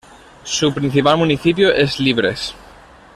Su principal municipio es Libres.